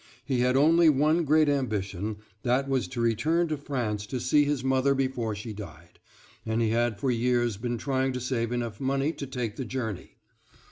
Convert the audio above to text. He had only one great ambition, that was to return to France to see his mother before she died; and he had for years been trying to save enough money to take the journey.